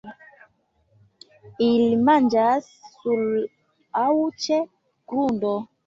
Ili manĝas sur aŭ ĉe grundo.